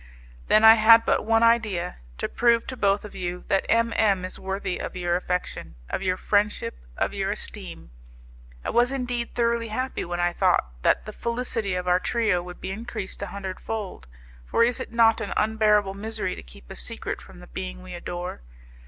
Then I had but one idea; to prove to both of you that M M is worthy of your affection, of your friendship, of your esteem. I was indeed thoroughly happy when I thought that the felicity of our trio would be increased a hundredfold, for is it not an unbearable misery to keep a secret from the being we adore?